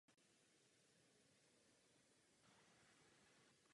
Němci převzali italský správní systém.